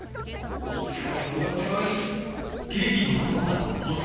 見つからず戻ってこい！